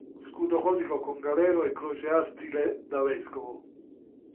Scudo gotico con galero e croce astile da vescovo.